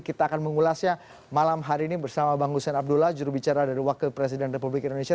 kita akan mengulasnya malam hari ini bersama bang hussein abdullah jurubicara dari wakil presiden republik indonesia